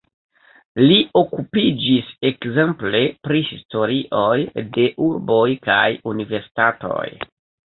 Li okupiĝis ekzemple pri historioj de urboj kaj universitatoj.